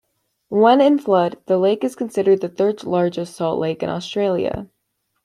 When in flood, the lake is considered the third largest salt lake in Australia.